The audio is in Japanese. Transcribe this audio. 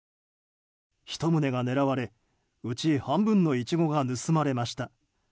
１棟が狙われ、うち半分のイチゴが盗まれました。